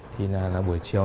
thì là buổi chiều